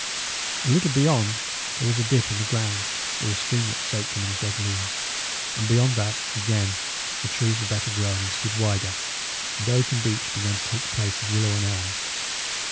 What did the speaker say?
A little beyond there was a dip in the ground, where a streamlet soaked among dead leaves; and beyond that, again, the trees were better grown and stood wider, and oak and beech began to take the place of willow and elm.